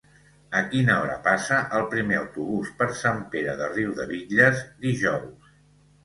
A quina hora passa el primer autobús per Sant Pere de Riudebitlles dijous?